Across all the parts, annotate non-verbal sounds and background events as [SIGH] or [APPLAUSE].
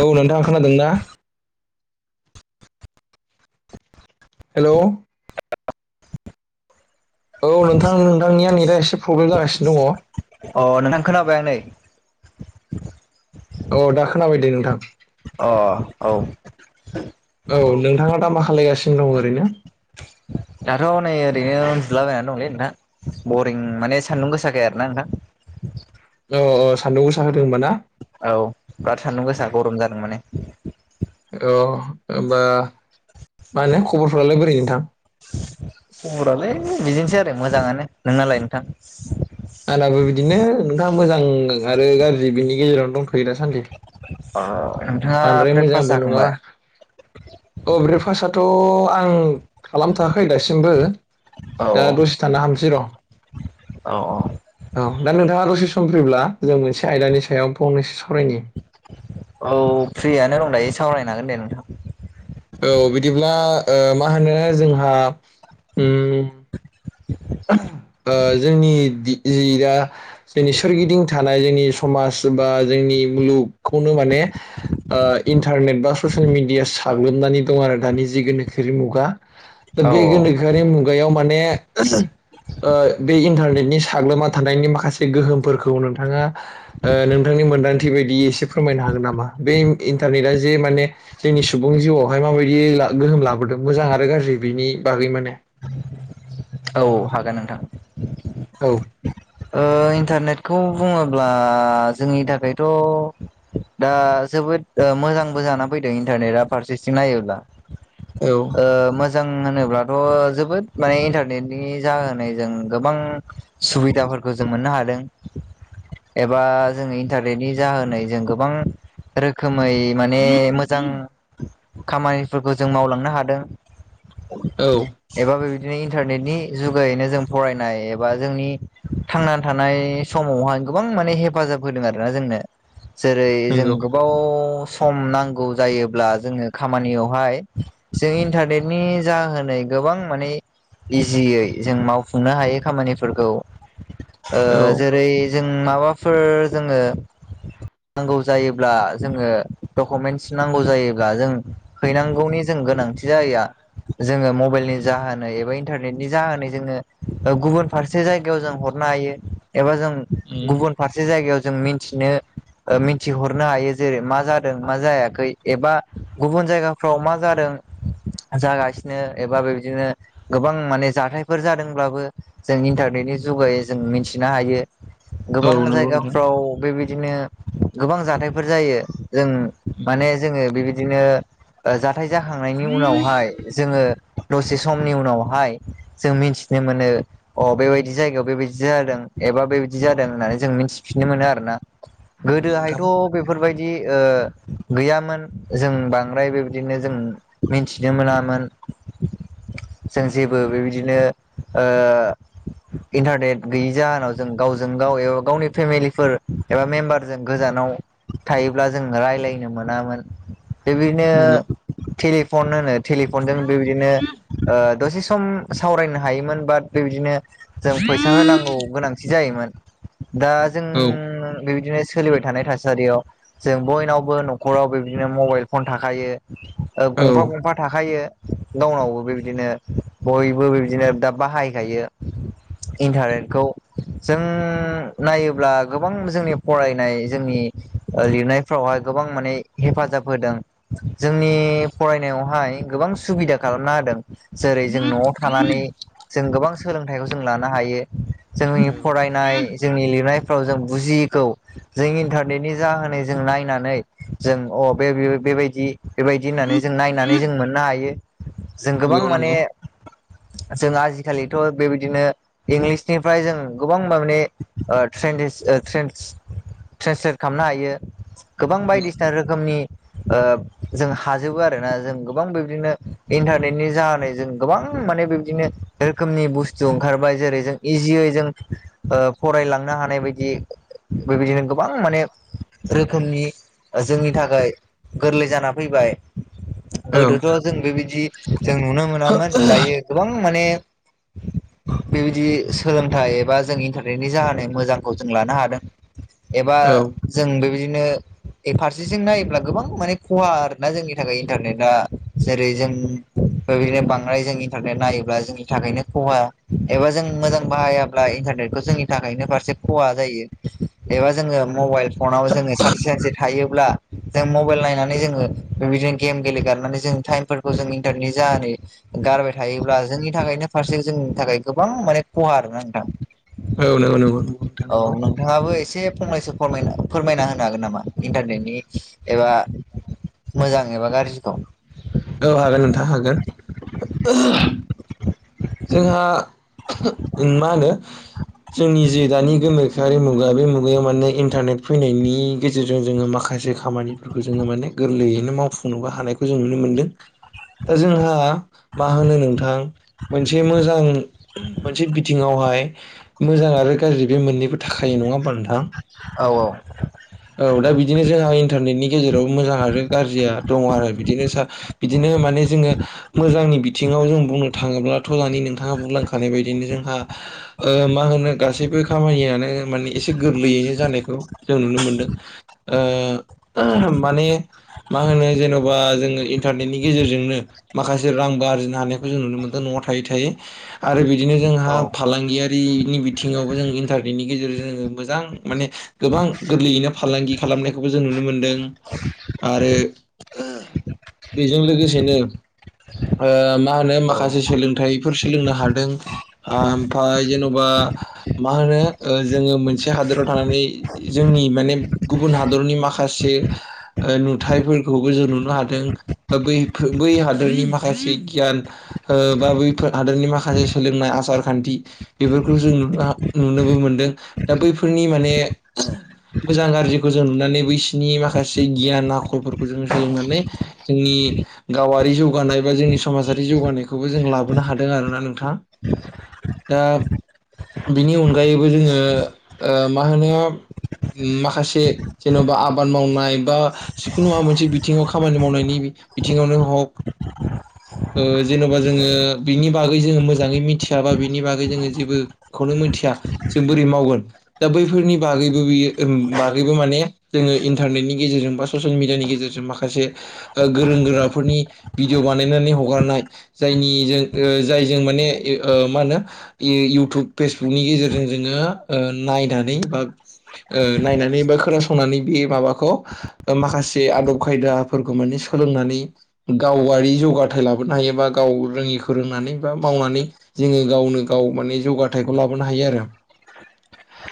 औ नोंथां खोनादों ना? हेलौ' औ नोंथां नोंथांनिया नेटा एसे प्रब्लेम जागासिनो दङ। अ नोंथां खोनाबाय आं नै अ' दा खोनाबाय दे नोंथां। अ' औ। औ नोंथाङा दा मा खालायगासिनो दं ओरैनो। दाथ' नै ओरैनो उन्दुलाबायना दंलै नोंथां बरिं माने सान्दुं गोसाखाय आरो ना नोंथां। अ'-अ 'सान्दुं गोसा होन औ ब्राद सान्दुं गोसा गरम जादों माने अ' होमबा मा होनो खबरफोरालाय बोरै नोंथां। खबरालै बिदिनोसै आरो मोजाङानो नोंनालाय नोंथां। आनाबो बिदिनो नोंथां मोजां आरो गाज्रि बिनि गेजेरावनो दंथ'। फै दासान्दि अ नोंथाङा बांद्राय ब्रेकफास्ट मोजांबो जाखांबाय नङाबा। अ' ब्रेकफास्टआथ' आं खालामथ'आखै दासिमबो औ दा दसे थाना हामसै र'। औ औ दा नोंथाङा दसे सम फ्रिब्ला जों मोनसे आयदानि सायाव फंनैसो सावरायनि औ फ्रियानो दं दायो सावरायनो हागोन दे नोंथां। औ बिदिब्ला ओ मा होनो जोंहा उम [UNINTELLIGIBLE] [INAUDIBLE] ओ जोंनि दि जि दा जोंनि सोरगिदिं थानाय जोंनि समाज बा जोंनि ईब्लुक खौनो माने ओ इन्टारनेट बा ससेल मिडिया साग्लोबनानै दं आरो दानि जि गोनोखोयारि मुगा दा औ बे गोनोखोआरि मुगायाव माने ओ बे इन्टारनेटनि साग्लोबना थानायनि माखासे गोहोमफोरखौ नोंथाङा ओ नोंथांनि मोनदांथि बायदि इसे फोरमायनो हागोन नामा बे इन इन्टारनेटआ जे माने जोंनि सुबुं जिउआवहाय माबायदि ला गोहोम लाबोदों मोजां आरो गाज्रि बिनि बागै माने औ हागोन नोंथां औ ओ इन्टारनेट खौ बुङोब्ला जोंनि थाखायथ' दा जोबोद ओ मोजांबो जाना फैदों इन्टारनेट आ फारसेथिं नायोब्ला औ ओ मोजां होनोब्लाथ' जोबोद माने इन्टारनेटनि जाहोनाय जों गोबां सुबिदाफोरखौ जों मोननो हादों। एबा जोङो इन्टारनेटनि जाहोनै जों गोबां रोखोम रोखोमै माने मोजां खामानिफोरखौ जों मावलांनो हादों औ। एबा बेबायदिनो इन्टारनेटनि जुगैनो जों फरायनाय एबा जोंनि थांनानै थानाय समावहाय गोबां माने हेफाजाब होदों आरोना जोंनो जेरै जों नंगौ गोबाव सम नांगौ जायोब्ला जोङो खामानियावहाय जों इन्टारनेटनि जाहोनै गोबां माने इजियै जों मावफुंनो हायै खामानिफोरखौ ओ औ जेरै जों माबाफोर जोङो नांगौ जायोब्ला जोङो डकुमेन्टस नांगौ जायोब्ला जों हैनांगौनि जों गोनांथि जाया जोङो मबाइल जाहोनै एबा इन्टारनेटनि जाहोनै जोङो गुबुन फारसे जायगायाव जों हरनो हायो एबा जों उम गुबुन फारसे जायगायाव जों मिथिनो मिथिहोहरनो हायो जेरै मा जादों मा जायाखै एबा गुबुन जायगाफ्राव मा जादों जागासिनो एबा बे बिदिनो गोबां माने जाथायफोर जादोंब्लाबो जों इन्टारनेटनि जुगै जों मिथिनो हायो औ गोबां नंगौ नोंथां जायगाफ्राव बेबायदिनो गोबां जाथायफोर जायो जों उम माने जोङो बेबायदिनो जा जाथाय जाखांनायनि उनावहाय जोङो दसे समनि उनावहाय जों मिथिनो मोनो अ बेबायदि जायगायाव बेबायदि जादों एबा बेबादि जादों होननानै जों मिथिफिननो मोनो आरो ना नंगौ नोंथां गोदोहायथ' बेफोरबायदि बिदि ओ गैयामोन जों बांद्राय बेबायदिनो जों मिथिनो मोनामोन जों जेबो बेबायदिनो ओ इन्टारनेट गैयि जाहोनाव जों गावजों गाव एबा गावनि फेमिलिफोर एबा मेम्बारजों गोजानाव थायोब्ला जों रायजलायनो मोनामोन नंगौ बेबायदिनो टेलिफन होनो टेलिफनजों बेबायदिनो ओ दसे सम सावरायनो हायोमोन बाट बेबायदिनो जों फैसा होनांगौ गोनांथि जायोमोन दा जों औ बेबायदिनो सोलिबाय थानाय थासारियाव जों बयनावबो नख'राव बेबदिनो मबाइल फन थाखायो ओ औ गंफा औ गंफा थाखायो गावनावबो बेबायदिनो बयबो बिदिनो दा बाहायखायो इन्टारनेटखौ जों नायोब्ला गोबां जोंनि फरायनाय जोंनि ओ लिरनायफ्रावहाय गोबां माने हेफाजाब होदों जोंनि फरायनायावहाय गोबां सुबिदा खालामना होदों जेरै जों न'वाव थानानै जों गोबां सोलोंथाइखौ जों लानो हायो जोंनि फरायनाय जोंनि लिरनाय जों बुजियैखौ जों इन्टारनेटनि जाहोनै जों नायनानै जों अ बे बे बेबायदि बेबायदि होननानै जों नायनानै जों मोननो हायो जों गोबां नंगौ माने नंगौ जों आजिखालिथ' बेबायदिनो इंग्लिसनिफ्राय जों गोबां माने ट्रे [INAUDIBLE] ट्रेनस ट्रेन्सलेट खालामनो हायो गोबां नंगौ बायदिसिना रोखोमनि ओ जों हाजोबो आरोना जों गोबां बेबदिनो इन्टारनेटनि जाहोनै जों गोबां माने बेबादिनो रोखोमनि बुस्थु ओंखारबाय जेरै जों इजियै जों ओ फरायलांनो हानाय बायदि बेबायदिनो गोबां माने रोखोमनि जोंनि थाखाय गोरलै जाना फैबाय औ गोदोथ' जों बेबायदि जों नुनो मोनामोन दायो गोबां माने [UNINTELLIGIBLE] बेबायदि सोलोंथाइ एबा जों इन्टारनेटनि जाहोन मोजांखौ जों लानो हादों एबा जों बेबायदि बिदिनो फारसेथिं नायोब्ला गोबां माने खहा आरोना जोंनि थाखाय इन्टारनेटा जेरै जों बेबायनो बांद्राय जों इन्टारनेट नायोब्ला जोंनि थाखायनो खहा एबा जों मोजां बाहायाब्ला इन्टारनेटखौ जोंनि थाखायनो फारसे खहा जायो एबा जोङो मबाइल फनाव जोङो सानसे सानसे थायो अब्ला जों मबाइल नायनानै जोङो बेबायदिनो गेम गेलेगारनानै जों टाइमफोरखौ जों इन्टारनेट जानानै गारबाय थायोब्ला जोंनि थाखायनो फारसे जोंनि थाखाय गोबां माने खहा आरोना नोंथां औ नंगौ नंगौ नंगौ नोंथां औ नंगौ नोंथाङाबो एसे फंनैसो फोरमायना होनो हागोन नामा इन्टारनेटनि एबा मोजां एबा गाज्रि दं औ हागोन नोंथां हागोन जोंहा मा होनो जोंनि जे दानि गोनोखाआरि मुगा बे मुगायाव माने इन्टारनेट फैनायनि गेजेरजों जोङो माखासे माखासे खामानिफोरखौ जोङो माने गोरलैयैनो मावफुंनोबो हानायखौ जों नुनो मोनदों। दा जोंहा मा होनो नोंथां मोनसे मोजां मोनसे बिथिङावहाय मोजां आरो गाज्रि बे मोननैबो थाखाय नङा होमबा नोंथां औ औ दा बि बिदिनो जोंहा इन्टारनेटनि गेजेराव मोजां आरो गाज्रिया दङ आरो बिदिनो स बिदिनो माने जोङो मोजांनि बिथिङाव जों बुंनो थाङोब्ला गथ' जानि नोंथाङा बुंलांखानाय बायदिनो जोंहा मा होनो गासैबो खामानियानो माने एसे गोरलैयैनो जानायखौ जों नुनो मोनदों ओ माने मा मा होनो जेन'बा जोङो इन्टारनेटनि गेजेरजोंनो माखासे रांबो आरजिनो हानायखौ जों नुनो मोनदों न'आव थायो थायो आरो बिदिनो जोंहा औ फालांगियारिनि बिथिङावबो जों इन्टारनेटनि गेजेरजों मोजां माने गोबां गोरलैयैनो फालांगि खालामनायखौबो जों नुनो मोनदों आरो बेजों लोगोसे ओ मा औ होनो सोलों फोर सोलोंनो हादों ओमफ्राय जेन'बा मा होनो जोंओ मोनसे हादाव थानानै जोंनि म गुबुन हादनि माखासे नुथायफोरखौबो जों नुनो हादों बै हादोरनि माखासे गियान बा हादोरनि माखासे सोलोंनाय आसार खान्थि बेफोरखौ जों नुनोबो मोनदों दा बै फोरनि माने मोजां गाज्रिखौ जों नुनानै बैसिनि माखासे गियान आखलफोरखौ जों सोलोंनानै जोंनि गावारि जौगानाय बा जोंनि समाजारि जौगानायखौबो जों लाबोनो हादों आरोना नोंथाङा दा बिनि अनगायैबो जोङो मा होनो माखासे जेन'बा आबाद मावनाय बा जिखुनु माबा मोनसे बिथिङाव खामानि मावनायनि बिथिङावनो हक जेन'बा जोङो बिनि बागै जोङो मोजाङै मिथिया बा बिनि बागै जोङो जेबोखौनो मिथिया जों बोरै मावगोन। दा बैफोरनि बागैबो बियो बागैबो माने जोङो इन्टारनेटनि गेजेरजों बा ससियेल मिडियानि गेजेरजों गेजेरजों माखासे गोरों गोराफोरनि भिडिअ' बानायनानै हगारनाय जायनिजों जाय ज माने मा होनो इउटुब फेसबुकनि गेजेरजों जोङो नाय नानै बा ओ नायनानै बा खोनासंनानै बे माबाखौ माखासे आदब खायदाफोरखौ माने सोलोंनानै गावारि जौगाथाय लाबोनो हायो बा गाव रोङिखौ फोरोंनानै बा मावनानै जोङो गावनो गाव माने जौगाथायाइखौ लाबोनो हायो आरो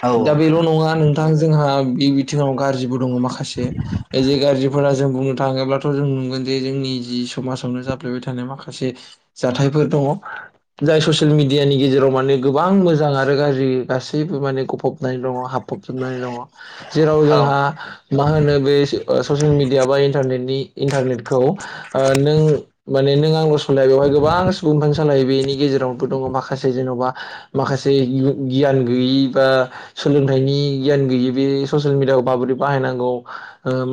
औ दा बेल' नङा जोंहा बे बिथिङाव गाज्रिबो दङ माखासे जे गाज्रिफोरा जों बुंनो थाङोब्लाथ' जों नगोन जे जोंनि जि समाजावनो जाफ्लेबाय थानाय माखासे जाथायफोर दङ। जाय ससियेल मिडियानि गेजेराव माने गोबां मोजां आरो गाज्रि गासैबो माने गफबनानै दङ हाब फबजोबनानै दङ जेराव जोंहा मा होनो बे ससियेल मिडिया बान्टनेनि इन्टारनेटखौ नों बेनो आं [UNINTELLIGIBLE] गोबां सुबुंफां सालायो बेनि गेजेरावनोबो दङ माखासे जेन'बा माखासे गियान गैयि सोलोंथायनि गियान गोयि बे ससियेल मिडियाआव माबोरै बाहायनांगौ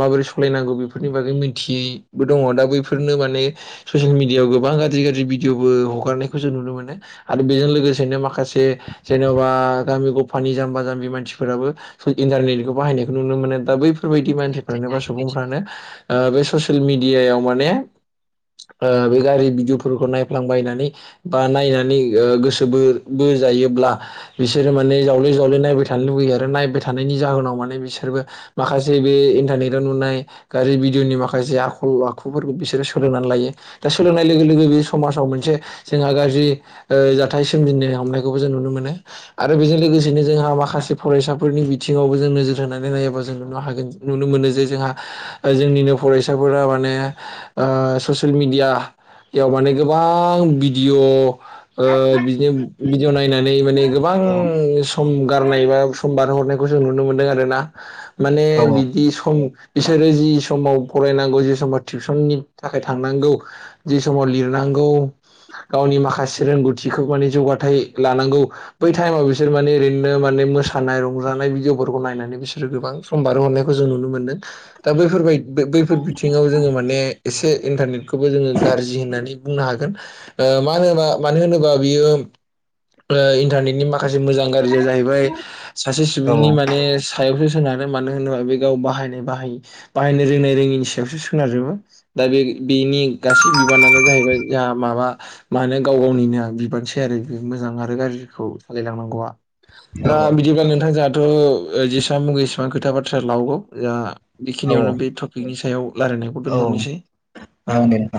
माबोरै सालायनांगौ बेफोरनि बागै मिथियैबो दङ दा बैफोरनो माने ससियेल मिडियाव गोबां गाज्रि गाज्रि भिडअ'बो हगारनायखौ जों नुनो मोनो आरो बेजों लोगोसेनो माखासे जेन'बा गामि ग'फानि जाम्बा जाम्बि मानसिफोराबो इन्टारनेटखौ बाहायनायखौ नुनो मोनो दा बै फोरबायदि मानसिफोरानो बा सुबुंफ्रानो ओ ससियेल मिडियाआव माने ओ बे गाज्रि भिडिअ' नायफ्लांबायनानै बा नायनानै गोसोबो बोजायोब्ला बिस बि मान जावले जावले नायबाय थानो आरो नायबाय थानायनि जाहोनाव माने बिसोरबो माखासे बे इन्टारनेटआव नुनाय गाज्रि भिडअ'नि माखासे आखल आखु बिसोरो सोलोंनानै लायो। दा सोलोंनाय लोगो लोगो बे समाजाव मोनसे जोंहा गाज्रि ओ जाथाय सोमजिनो हमनायखौबो जों नुनो मोनो आरो बेजों लोगोसे लोगोसेनो जोंहा माखासे फरायसाफोरनि बिथिङावबो जों नोजोर होनानै नायाबा जों नुनो हागोन नुनो मोनो जे जोंहा आ ओ जोंनिनो फरायसाफोरा माने ओ ससियेल मिडियायाव माने गोबां भिडिअ बिदि भिडिअ नायनानै माने गोबां औ सम गारनाय बा सम बारहरनायखौ जों नुनो मोनदों आरोना। माने बिदि सम बिसोरो जि समाव फरायनांगौ जि समाव टिउसननि थाखाय थांनांगौ जि समाव लिर नांगौ गावनि माखासे रोंगौथिखौ माने जौगाथाय लानांगौ बै टाइमाव बिसोर माने ओरैनो माने मोसानाय रंजानाय भिडिअफोरखौ नायनानै बिसोरो गोबां सम बारहरनायखौ जों नुनो मोनदों। दा बैफोरबायदि बैफोर बिथिङाव जोङो माने एसे इन्टारनेटखौबो जोङो गाज्रि होननानै बुंनो हागोन। ओ मा होनोबा मानो होनोबा बियो ओ इन्टारनेटनि मा माखासे मोजां गाज्रिया जाहैबाय सासे सुबुंनि माने सायावसो सोनारो, मानो होनोबा बे गाव बाहायनाय बाहाय बाहायनो रोंनाय रोङिनि सायावसो सोनारजोबो। दा बे बेनि गासै बिबानानो जाहैबाय जा माबा मानो गाव गावनिनो बिबारसै आरो बे मोजां आरो गाज्रिखौ सालायलांनांगौया। दा औ बिदिब्ला नोंथां जोंहाथ' जेसेबां मुगो एसेबां खोथा बाथ्रा लावगौ जा औ बेखिनियावनो बे टपिकनि सायाव रायलायनायखौ दोनथ'नोसै औ। जागोन दे नोंथां